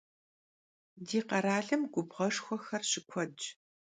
Di kheralım gubğueşşxuexer şıkuedş.